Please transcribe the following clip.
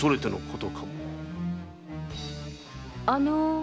・あの。